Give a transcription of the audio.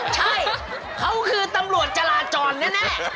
ใช่เขาคือตำรวจจราจรแน่